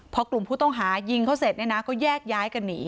พอกลุ่มผู้ต้องหายิงเขาเสร็จเนี่ยนะก็แยกย้ายกันหนี